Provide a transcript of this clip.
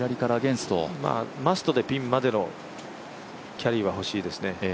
マストでピンまでのキャリーは欲しいですね。